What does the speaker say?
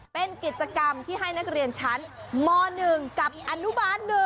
เป็นกิจกรรมที่ให้นักเรียนชั้นม๑กับอนุบาล๑